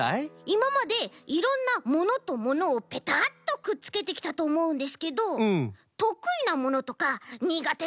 いままでいろんなものとものをぺたっとくっつけてきたとおもうんですけどとくいなものとかにがてなものってあるんですか？